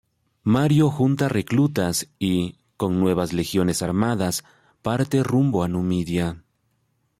Mario junta reclutas y, con nuevas legiones armadas, parte rumbo a Numidia.